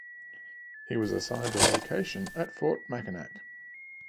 He was assigned a location at Fort Mackinac.